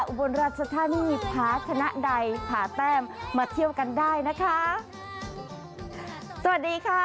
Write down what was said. อุบลราชธานีพาคณะใดผ่าแต้มมาเที่ยวกันได้นะคะสวัสดีค่ะ